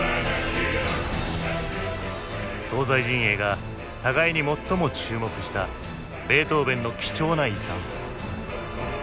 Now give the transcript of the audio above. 東西陣営が互いに最も注目したベートーヴェンの貴重な遺産。